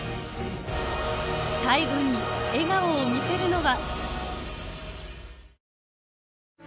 最後に笑顔を見せるのは？